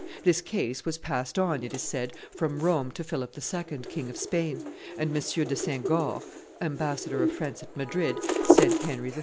This case was passed on, it is said, from Rome to Philip II., King of Spain, and M. de Saint Goard, ambassador of France at Madrid, sent Henry III.